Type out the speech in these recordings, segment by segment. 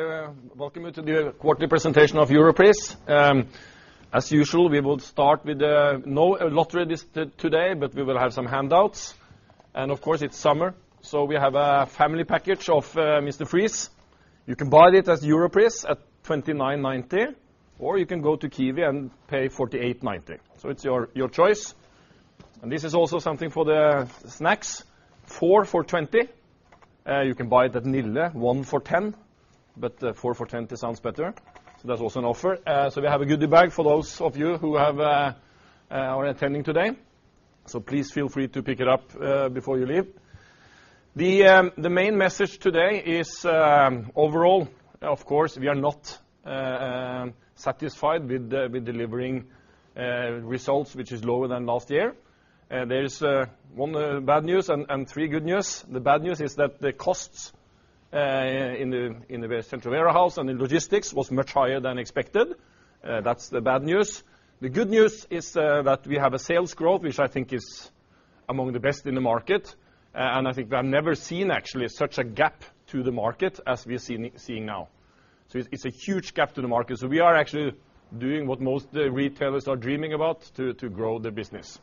I welcome you to the quarterly presentation of Europris. As usual, we will start with no lottery today, but we will have some handouts. Of course, it's summer, so we have a family package of Mr. Freeze. You can buy it at Europris at 29.90, or you can go to Kiwi and pay 48.90. It's your choice. This is also something for the snacks, four for 20. You can buy it at Nille one for 10, but four for 20 sounds better. That's also an offer. We have a goodie bag for those of you who are attending today. Please feel free to pick it up before you leave. The main message today is, overall, of course, we are not satisfied with delivering results which is lower than last year. There is one bad news and three good news. The bad news is that the costs in the central warehouse and in logistics was much higher than expected. That's the bad news. The good news is that we have a sales growth, which I think is among the best in the market. I think I've never seen, actually, such a gap to the market as we are seeing now. It's a huge gap to the market. We are actually doing what most retailers are dreaming about, to grow their business.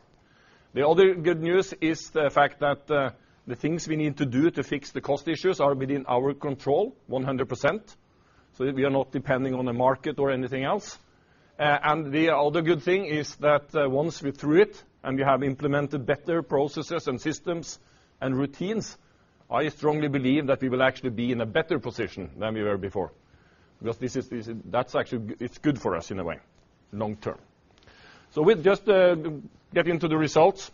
The other good news is the fact that the things we need to do to fix the cost issues are within our control 100%. We are not depending on the market or anything else. The other good thing is that once we're through it, and we have implemented better processes and systems and routines, I strongly believe that we will actually be in a better position than we were before, because it's good for us in a way, long term. With just getting to the results,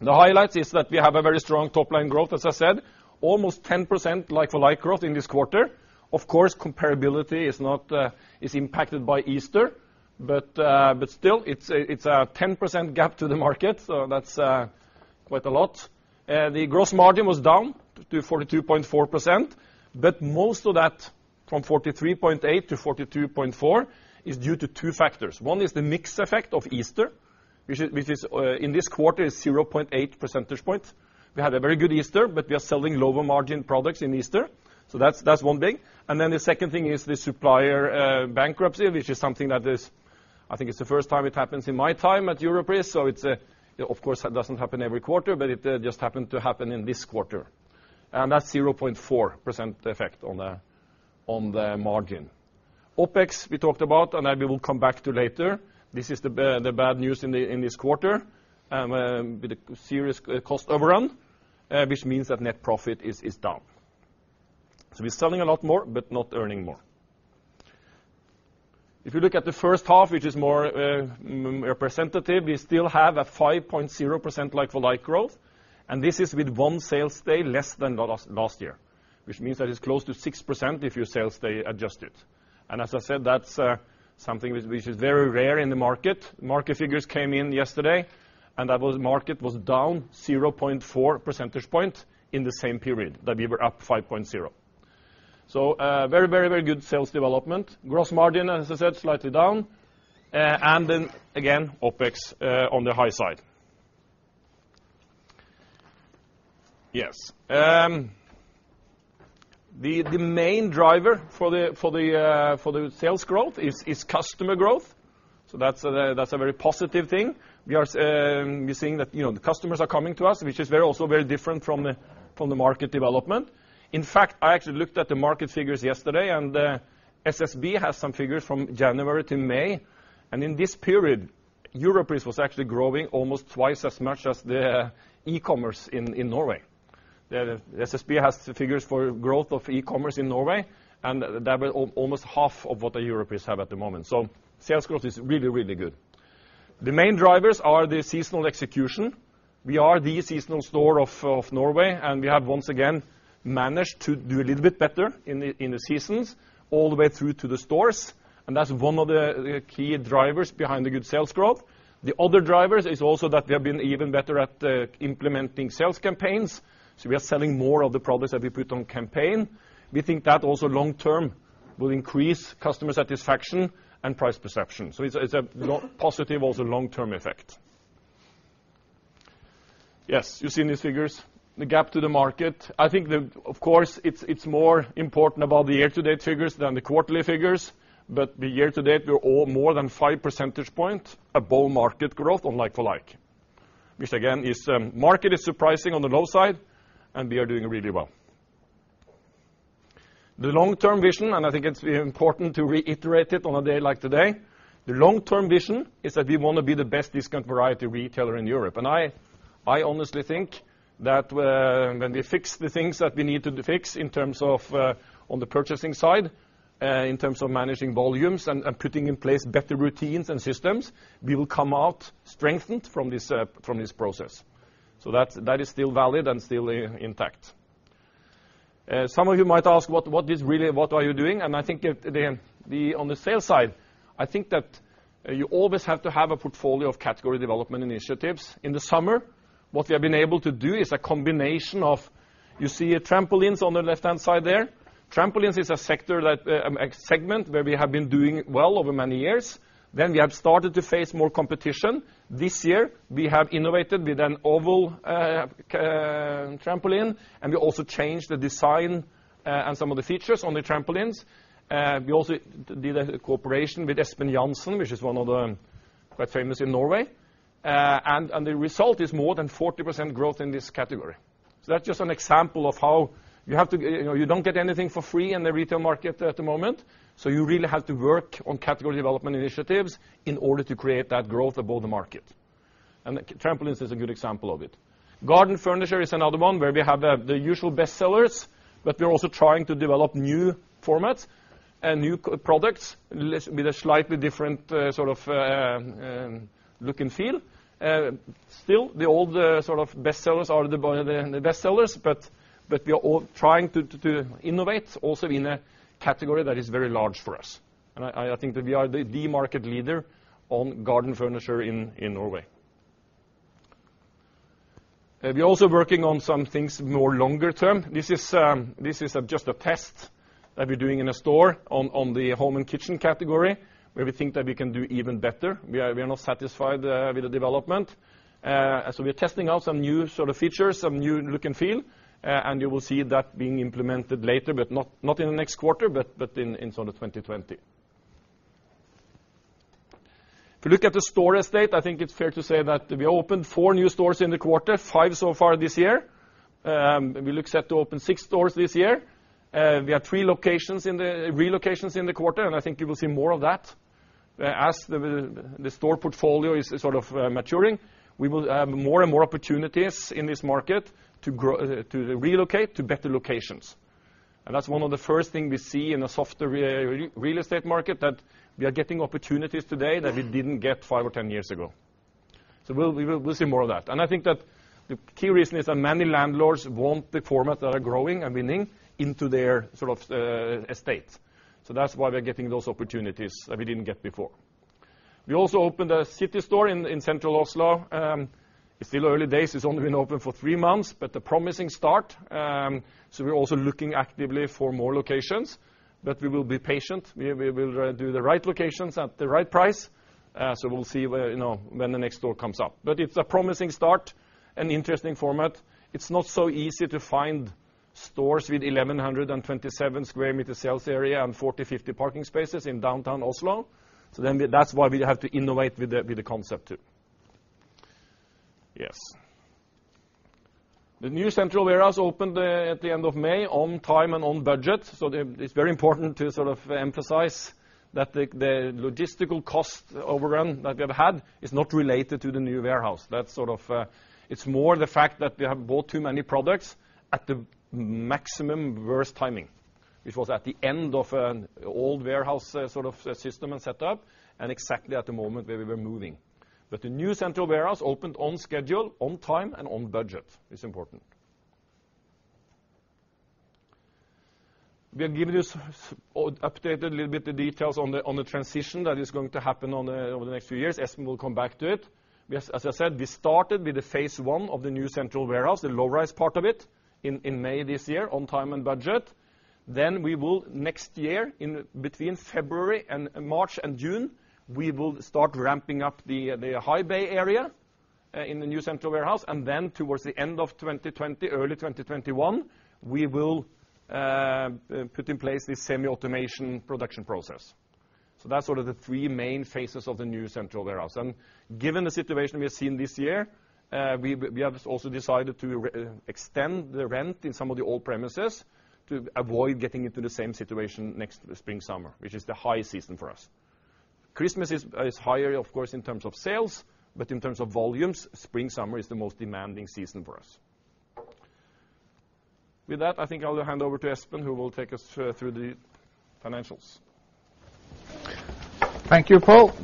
the highlights is that we have a very strong top-line growth, as I said, almost 10% like-for-like growth in this quarter. Comparability is impacted by Easter, but still, it's a 10% gap to the market, that's quite a lot. The gross margin was down to 42.4%, but most of that, from 43.8 to 42.4, is due to two factors. One is the mix effect of Easter, which in this quarter is 0.8 percentage points. We had a very good Easter, but we are selling lower margin products in Easter, that's 1 thing. The second thing is the supplier bankruptcy, which is something that is, I think it's the 1st time it happens in my time at Europris. Of course, that doesn't happen every quarter, but it just happened to happen in this quarter, and that's 0.4% effect on the margin. OpEx, we talked about, and I will come back to later. This is the bad news in this quarter, with a serious cost overrun, which means that net profit is down. We're selling a lot more, but not earning more. If you look at the 1st half, which is more representative, we still have a 5.0% like-for-like growth, and this is with one sales day less than last year, which means that it's close to 6% if you sales day adjust it. As I said, that's something which is very rare in the market. Market figures came in yesterday, and that market was down 0.4 percentage points in the same period that we were up 5.0. Very good sales development. Gross margin, as I said, slightly down. OPEX on the high side. Yes. The main driver for the sales growth is customer growth, so that's a very positive thing. We are seeing that the customers are coming to us, which is also very different from the market development. In fact, I actually looked at the market figures yesterday, and SSB has some figures from January to May. In this period, Europris was actually growing almost twice as much as the e-commerce in Norway. The SSB has figures for growth of e-commerce in Norway, and that was almost half of what the Europris have at the moment. Sales growth is really good. The main drivers are the seasonal execution. We are the seasonal store of Norway, and we have once again managed to do a little bit better in the seasons all the way through to the stores, and that's one of the key drivers behind the good sales growth. The other drivers is also that we have been even better at implementing sales campaigns. We are selling more of the products that we put on campaign. We think that also long term will increase customer satisfaction and price perception. It's a positive, also long-term effect. Yes, you've seen these figures, the gap to the market. I think that, of course, it's more important about the year-to-date figures than the quarterly figures. The year to date, we're more than five percentage points above market growth on like-for-like. Which again is market is surprising on the low side, and we are doing really well. The long-term vision, and I think it's important to reiterate it on a day like today, the long-term vision is that we want to be the best discount variety retailer in Europe. I honestly think that when we fix the things that we need to fix in terms of on the purchasing side, in terms of managing volumes and putting in place better routines and systems, we will come out strengthened from this process. That is still valid and still intact. Some of you might ask, "What are you doing?" I think on the sales side, I think that you always have to have a portfolio of category development initiatives. In the summer, what we have been able to do is a combination of, you see trampolines on the left-hand side there. Trampolines is a segment where we have been doing well over many years. We have started to face more competition. This year, we have innovated with an ovalTrampoline. We also changed the design and some of the features on the trampolines. We also did a cooperation with Espen Jansen, which is one of the quite famous in Norway. The result is more than 40% growth in this category. That's just an example of how you don't get anything for free in the retail market at the moment. You really have to work on category development initiatives in order to create that growth above the market, and the trampolines is a good example of it. Garden furniture is another one where we have the usual bestsellers, but we are also trying to develop new formats and new products with a slightly different sort of look and feel. Still, the old sort of bestsellers are the bestsellers, but we are all trying to innovate also in a category that is very large for us. I think that we are the market leader on garden furniture in Norway. We are also working on some things more longer term. This is just a test that we're doing in a store on the home and kitchen category, where we think that we can do even better. We are not satisfied with the development. We're testing out some new sort of features, some new look and feel, and you will see that being implemented later, but not in the next quarter, but in sort of 2020. If you look at the store estate, I think it's fair to say that we opened four new stores in the quarter, five so far this year. We look set to open 6 stores this year. We have three relocations in the quarter. I think you will see more of that as the store portfolio is sort of maturing. We will have more and more opportunities in this market to relocate to better locations. That's one of the first thing we see in the softer real estate market, that we are getting opportunities today that we didn't get five or 10 years ago. We'll see more of that. I think that the key reason is that many landlords want the format that are growing and winning into their estate. That's why we're getting those opportunities that we didn't get before. We also opened a city store in Central Oslo. It's still early days. It's only been open for three months, but a promising start. We're also looking actively for more locations, but we will be patient. We will do the right locations at the right price. We'll see when the next store comes up. It's a promising start and interesting format. It's not so easy to find stores with 1,127 sq m sales area and 40, 50 parking spaces in downtown Oslo. That's why we have to innovate with the concept, too. Yes. The new central warehouse opened at the end of May on time and on budget. It's very important to sort of emphasize that the logistical cost overrun that we have had is not related to the new warehouse. It's more the fact that we have bought too many products at the maximum worst timing, which was at the end of an old warehouse sort of system and set up and exactly at the moment where we were moving. The new central warehouse opened on schedule, on time, and on budget. It's important. We have given you updated a little bit the details on the transition that is going to happen over the next few years. Espen will come back to it. As I said, we started with the phase one of the new central warehouse, the low-rise part of it, in May this year, on time and budget. We will, next year, in between February and March and June, we will start ramping up the high bay area in the new central warehouse, then towards the end of 2020, early 2021, we will put in place the semi-automation production process. That's sort of the three main phases of the new central warehouse. Given the situation we have seen this year, we have also decided to extend the rent in some of the old premises to avoid getting into the same situation next spring, summer, which is the highest season for us. Christmas is higher, of course, in terms of sales, but in terms of volumes, spring, summer is the most demanding season for us. With that, I think I'll hand over to Espen, who will take us through the financials. Thank you, Pål.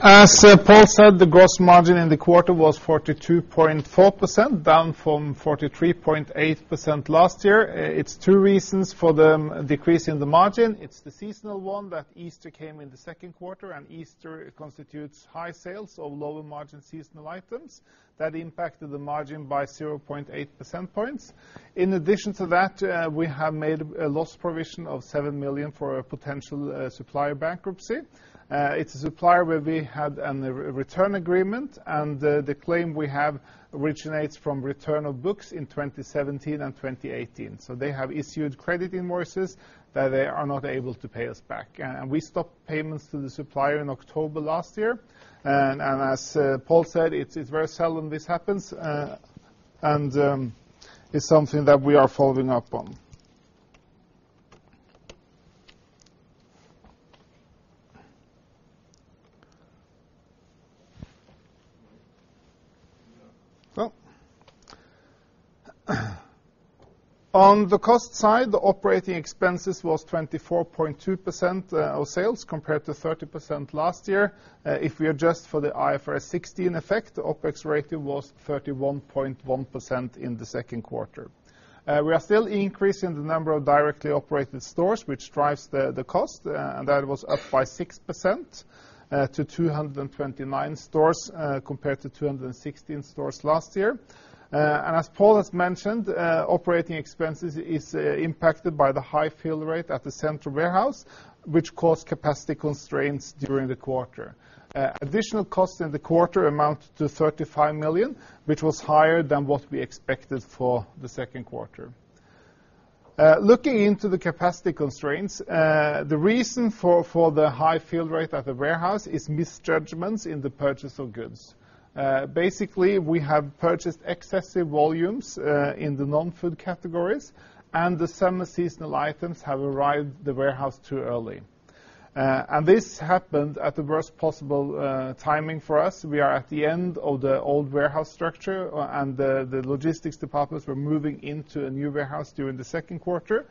As Pål said, the gross margin in the quarter was 42.4%, down from 43.8% last year. It's two reasons for the decrease in the margin. It's the seasonal one that Easter came in the second quarter, and Easter constitutes high sales of lower-margin seasonal items. That impacted the margin by 0.8%. In addition to that, we have made a loss provision of 7 million for a potential supplier bankruptcy. It's a supplier where we had a return agreement, and the claim we have originates from return of books in 2017 and 2018. They have issued credit invoices that they are not able to pay us back. We stopped payments to the supplier in October last year. As Pål said, it's very seldom this happens, and it's something that we are following up on. Well. On the cost side, the operating expenses was 24.2% of sales compared to 30% last year. If we adjust for the IFRS 16 effect, the OpEx ratio was 31.1% in the second quarter. We are still increasing the number of directly operated stores, which drives the cost, and that was up by 6% to 229 stores compared to 216 stores last year. As Pål has mentioned, operating expenses is impacted by the high fill rate at the central warehouse, which caused capacity constraints during the quarter. Additional costs in the quarter amount to 35 million, which was higher than what we expected for the second quarter. Looking into the capacity constraints, the reason for the high fill rate at the warehouse is misjudgments in the purchase of goods. Basically, we have purchased excessive volumes in the non-food categories, and the summer seasonal items have arrived the warehouse too early. This happened at the worst possible timing for us. We are at the end of the old warehouse structure and the logistics departments were moving into a new warehouse during the second quarter.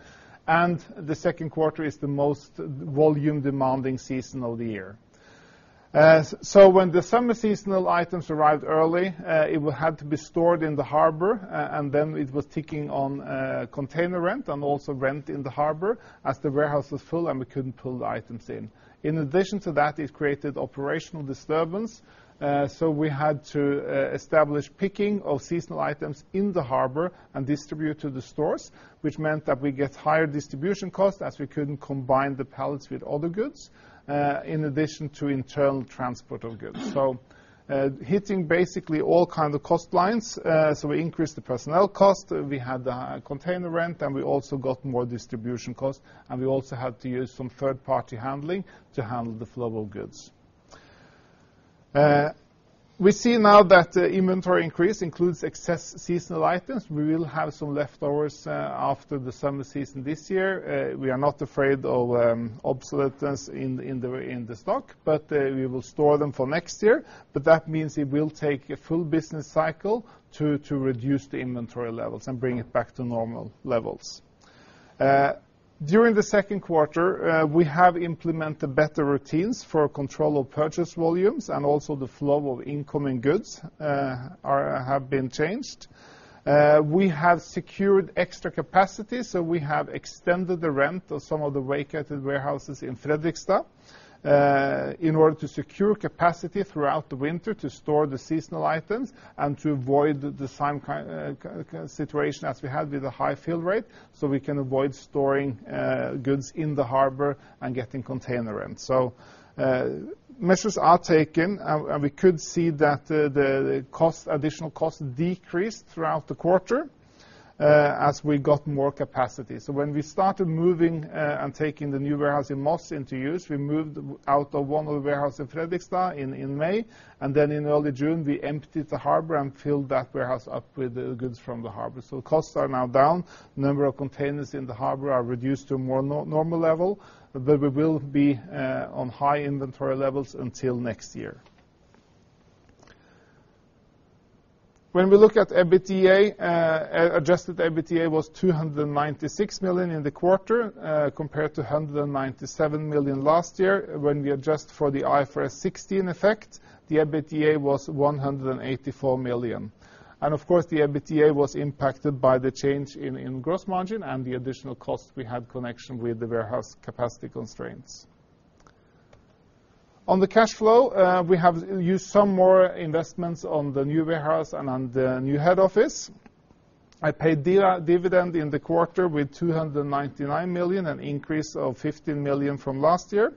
The second quarter is the most volume demanding season of the year. When the summer seasonal items arrived early, it had to be stored in the harbor, and then it was ticking on container rent and also rent in the harbor as the warehouse was full, and we couldn't pull the items in. In addition to that, it created operational disturbance. We had to establish picking of seasonal items in the harbor and distribute to the stores, which meant that we get higher distribution costs as we couldn't combine the pallets with other goods, in addition to internal transport of goods. Hitting basically all kind of cost lines, we increased the personnel cost, we had the higher container rent, we also got more distribution costs, we also had to use some third-party handling to handle the flow of goods. We see now that inventory increase includes excess seasonal items. We will have some leftovers after the summer season this year. We are not afraid of obsoleteness in the stock, we will store them for next year. That means it will take a full business cycle to reduce the inventory levels and bring it back to normal levels. During the second quarter, we have implemented better routines for control of purchase volumes, also the flow of incoming goods have been changed. We have secured extra capacity, we have extended the rent of some of the vacated warehouses in Fredrikstad in order to secure capacity throughout the winter to store the seasonal items and to avoid the same situation as we had with the high fill rate, we can avoid storing goods in the harbor and getting container rent. Measures are taken, we could see that the additional cost decreased throughout the quarter as we got more capacity. When we started moving and taking the new warehouse in Moss into use, we moved out of one of the warehouse in Fredrikstad in May. In early June, we emptied the harbor and filled that warehouse up with the goods from the harbor. Costs are now down. Number of containers in the harbor are reduced to a more normal level. We will be on high inventory levels until next year. When we look at EBITDA, adjusted EBITDA was 296 million in the quarter, compared to 197 million last year. When we adjust for the IFRS 16 effect, the EBITDA was 184 million. Of course, the EBITDA was impacted by the change in gross margin and the additional cost we had connection with the warehouse capacity constraints. On the cash flow, we have used some more investments on the new warehouse and on the new head office. I paid dividend in the quarter with 299 million, an increase of 15 million from last year.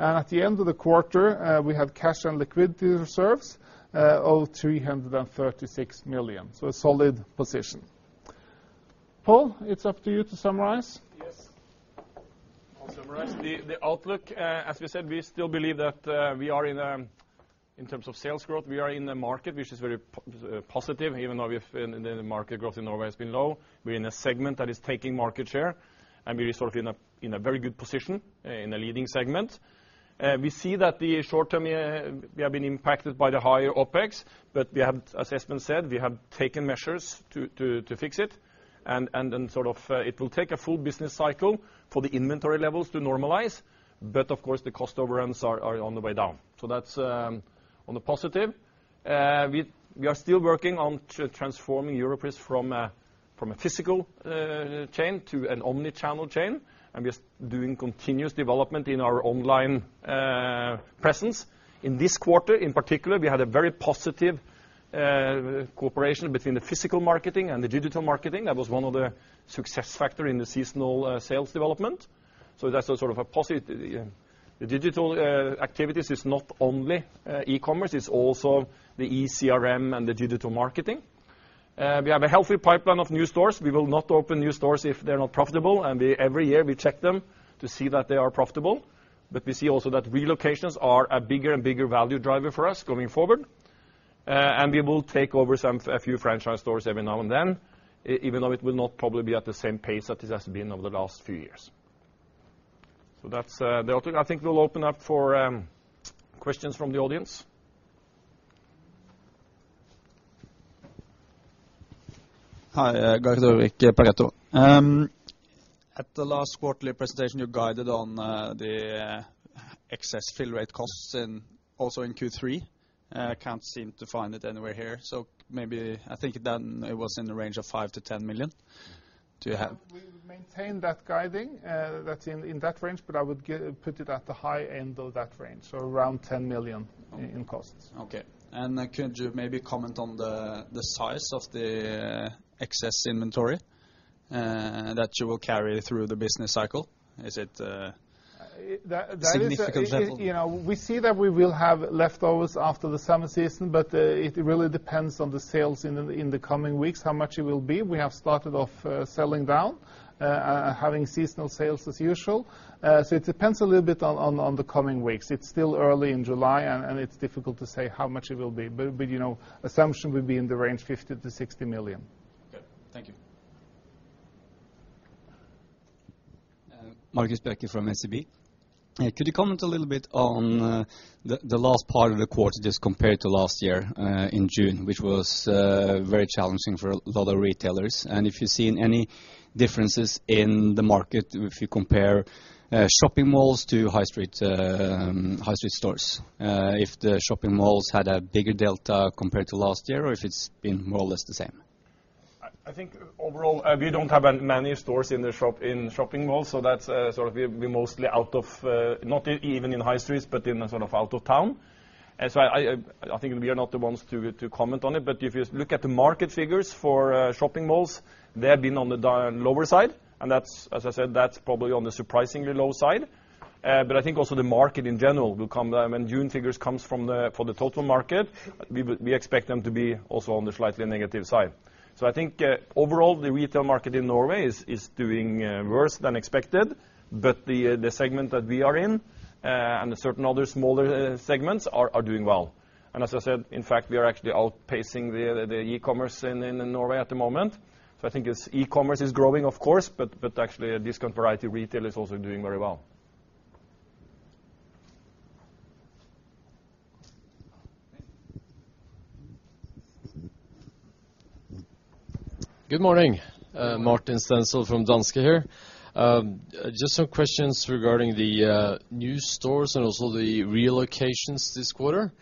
At the end of the quarter, we have cash and liquidity reserves of 336 million. A solid position. Pål, it's up to you to summarize. Yes. I'll summarize the outlook. As we said, we still believe that in terms of sales growth, we are in a market which is very positive, even though the market growth in Norway has been low. We're in a segment that is taking market share, we are in a very good position in a leading segment. We see that the short term, we have been impacted by the higher OpEx, as Espen said, we have taken measures to fix it will take a full business cycle for the inventory levels to normalize. Of course, the cost overruns are on the way down. That's on the positive. We are still working on transforming Europris from a physical chain to an omni-channel chain, we are doing continuous development in our online presence. In this quarter, in particular, we had a very positive cooperation between the physical marketing and the digital marketing. That was one of the success factor in the seasonal sales development. That's a positive. The digital activities is not only e-commerce, it's also the eCRM and the digital marketing. We have a healthy pipeline of new stores. We will not open new stores if they're not profitable, and every year we check them to see that they are profitable. We see also that relocations are a bigger and bigger value driver for us going forward. We will take over a few franchise stores every now and then, even though it will not probably be at the same pace that it has been over the last few years. That's the outlook. I think we'll open up for questions from the audience. Hi, Gard Aarvik Pareto. At the last quarterly presentation, you guided on the excess fill rate costs also in Q3. I can't seem to find it anywhere here. Maybe, I think then it was in the range of 5 million-10 million. Do you have- We maintain that guiding that's in that range, I would put it at the high end of that range, so around 10 million in costs. Okay. Could you maybe comment on the size of the excess inventory that you will carry through the business cycle? Is it a significant level? We see that we will have leftovers after the summer season, it really depends on the sales in the coming weeks, how much it will be. We have started off selling down, having seasonal sales as usual. It depends a little bit on the coming weeks. It's still early in July, and it's difficult to say how much it will be. Assumption will be in the range 50 million-60 million. Good. Thank you Markus Bäcklund from SEB. Could you comment a little bit on the last part of the quarter just compared to last year in June, which was very challenging for a lot of retailers? If you've seen any differences in the market, if you compare shopping malls to high street stores, if the shopping malls had a bigger delta compared to last year or if it's been more or less the same? I think overall, we don't have many stores in the shopping malls. That's sort of, we're mostly out of, not even in high streets, but in the sort of out of town. I think we are not the ones to comment on it. If you look at the market figures for shopping malls, they have been on the lower side. That's, as I said, that's probably on the surprisingly low side. I think also the market in general will come, when June figures comes for the total market, we expect them to be also on the slightly negative side. I think overall, the retail market in Norway is doing worse than expected. The segment that we are in, and the certain other smaller segments are doing well. As I said, in fact, we are actually outpacing the e-commerce in Norway at the moment. I think e-commerce is growing, of course, but actually discount variety retail is also doing very well. Thank you. Good morning. Good morning. Martin Stenshall from Danske here. Just some questions regarding the new stores and also the relocations this quarter.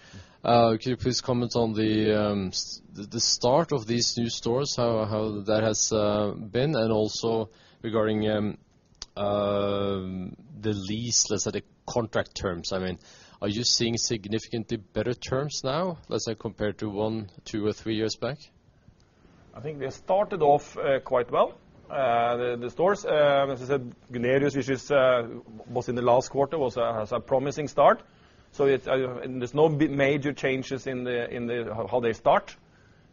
Could you please comment on the start of these new stores, how that has been, and also regarding the lease, let's say, the contract terms? Are you seeing significantly better terms now, let's say, compared to one, two, or three years back? I think they started off quite well. The stores, as I said, Gunnerus, which was in the last quarter, was a promising start. There's no big major changes in how they start.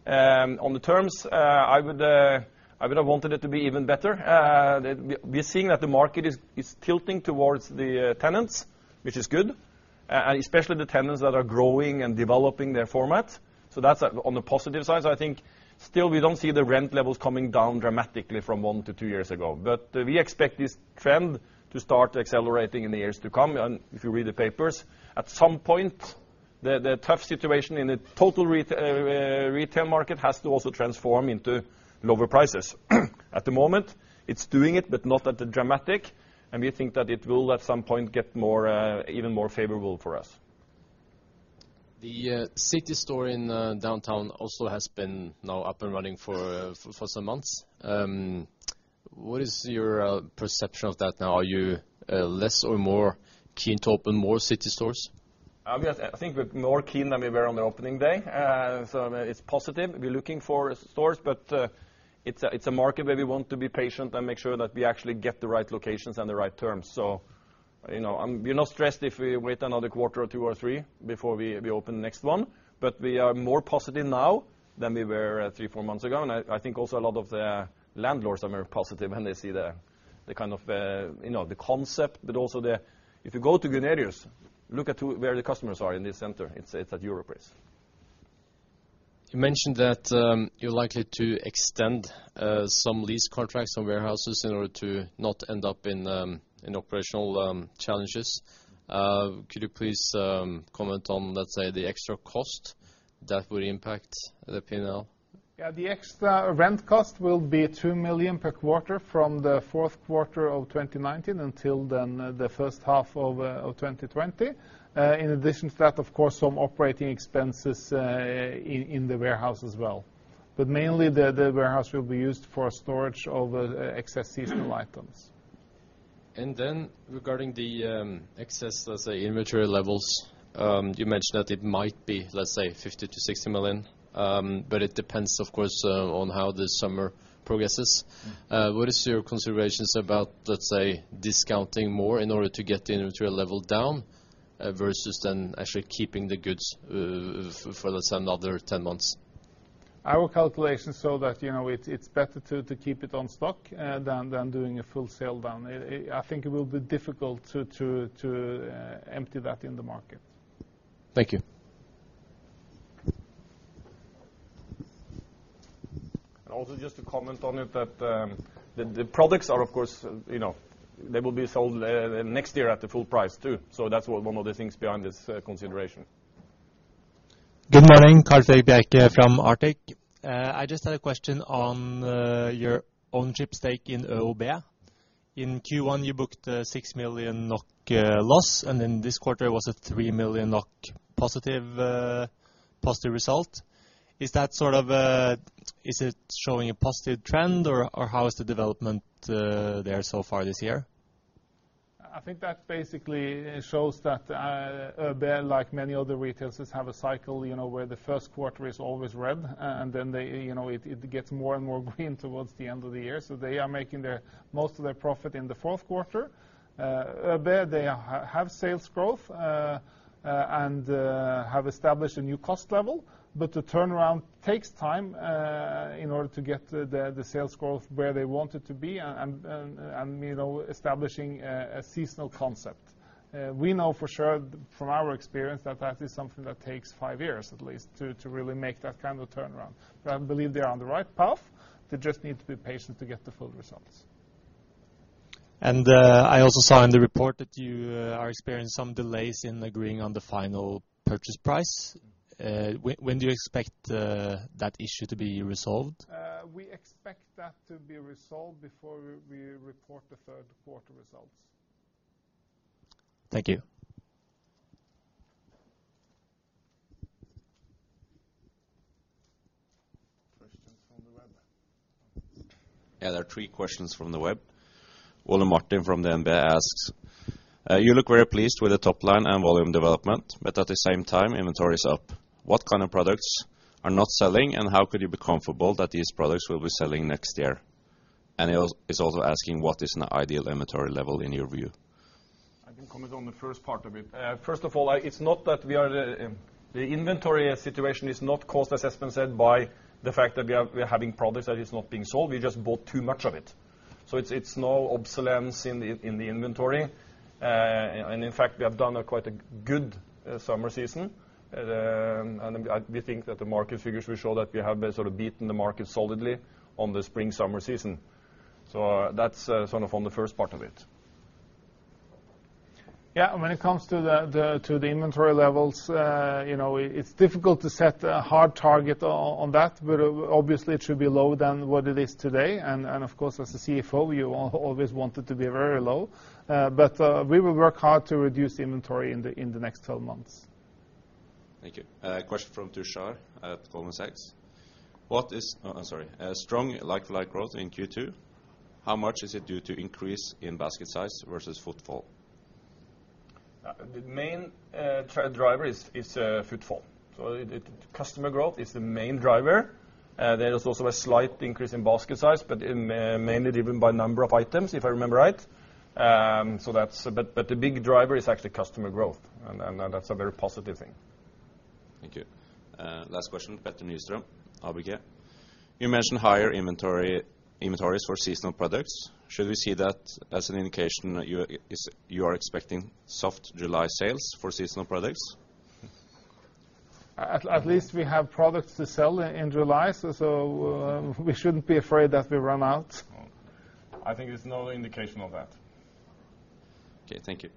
On the terms, I would have wanted it to be even better. We're seeing that the market is tilting towards the tenants, which is good, especially the tenants that are growing and developing their format. That's on the positive side. I think still we don't see the rent levels coming down dramatically from one to two years ago. We expect this trend to start accelerating in the years to come. If you read the papers, at some point, the tough situation in the total retail market has to also transform into lower prices. At the moment, it's doing it, but not at the dramatic, we think that it will, at some point, get even more favorable for us. The city store in downtown also has been now up and running for some months. What is your perception of that now? Are you less or more keen to open more city stores? I think we're more keen than we were on the opening day. It's positive. We're looking for stores, but it's a market where we want to be patient and make sure that we actually get the right locations and the right terms. We're not stressed if we wait another quarter or two or three before we open the next one. We are more positive now than we were three, four months ago, I think also a lot of the landlords are very positive when they see the concept, but also If you go to Gunnerus, look at where the customers are in the center, it's at Europris. You mentioned that you're likely to extend some lease contracts on warehouses in order to not end up in operational challenges. Could you please comment on, let's say, the extra cost that would impact the P&L? Yeah, the extra rent cost will be 2 million per quarter from the fourth quarter of 2019 until the first half of 2020. In addition to that, of course, some operating expenses in the warehouse as well. Mainly, the warehouse will be used for storage of excess seasonal items. Regarding the excess, let's say, inventory levels, you mentioned that it might be, let's say, 50 million-60 million. It depends, of course, on how the summer progresses. What is your considerations about, let's say, discounting more in order to get the inventory level down versus then actually keeping the goods for, let's say, another 10 months? Our calculations show that it's better to keep it on stock than doing a full sell down. I think it will be difficult to empty that in the market. Thank you. Also, just to comment on it, that the products are, of course, they will be sold next year at the full price, too. That's one of the things behind this consideration. Good morning, Philip Bjerke from Arctic. I just had a question on your ownership stake in ÖoB. In Q1, you booked a 6 million NOK loss. This quarter was a 3 million NOK positive result. Is it showing a positive trend, or how is the development there so far this year? I think that basically shows that ÖoB, like many other retailers, have a cycle where the first quarter is always red. It gets more and more green towards the end of the year. They are making most of their profit in the fourth quarter. ÖoB, they have sales growth and have established a new cost level. The turnaround takes time in order to get the sales growth where they want it to be and establishing a seasonal concept. We know for sure from our experience that is something that takes five years at least to really make that kind of turnaround. I believe they are on the right path. They just need to be patient to get the full results. I also saw in the report that you are experiencing some delays in agreeing on the final purchase price. When do you expect that issue to be resolved? We expect that to be resolved before we report the third quarter results. Thank you. Questions from the web? There are three questions from the web. Ole Martin from DNB asks, "You look very pleased with the top line and volume development, but at the same time, inventory is up. What kind of products are not selling, and how could you be comfortable that these products will be selling next year?" He is also asking, "What is an ideal inventory level in your view? I can comment on the first part of it. First of all, the inventory situation is not caused by the fact that we are having products that is not being sold. We just bought too much of it. It is no obsolescence in the inventory. In fact, we have done quite a good summer season. We think that the market figures will show that we have sort of beaten the market solidly on the spring, summer season. That is on the first part of it. When it comes to the inventory levels, it is difficult to set a hard target on that, but obviously it should be lower than what it is today. Of course, as a CFO, you always want it to be very low. We will work hard to reduce inventory in the next 12 months. Thank you. Question from Tushar at Goldman Sachs. Strong like-for-like growth in Q2. How much is it due to increase in basket size versus footfall? The main driver is footfall. Customer growth is the main driver. There is also a slight increase in basket size, but mainly driven by number of items, if I remember right. The big driver is actually customer growth, and that's a very positive thing. Thank you. Last question, Petter Nystrøm, ABG. You mentioned higher inventories for seasonal products. Should we see that as an indication that you are expecting soft July sales for seasonal products? At least we have products to sell in July, we shouldn't be afraid that we run out. I think there's no indication of that. Okay, thank you.